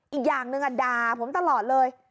อีกอย่างหนึ่งด่าผมตลอดเลย